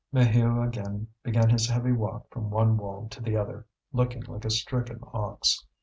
Maheu again began his heavy walk from one wall to the other, looking like a stricken ox.